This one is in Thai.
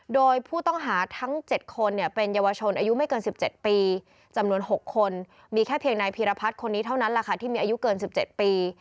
โดยผู้ต้องหาทั้ง๗คนเป็นเยาวชนอายุไม่เกิน๑๗ปีจำนวน๖คนมีแค่เพียงนายพีรพัฒน์คนนี้เท่านั้นแหละค่ะที่มีอายุเกิน๑๗ปี